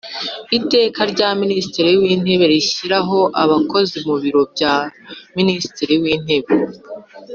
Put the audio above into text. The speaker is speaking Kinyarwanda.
Iteka rya Minisitri w Intebe rishyiraho abakozi mu Biro bya Minisitiri w Intebe